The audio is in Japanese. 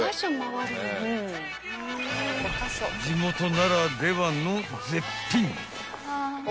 ［地元ならではの絶品］